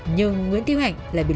nhưng nguyễn tiêu hạnh lại bị lùi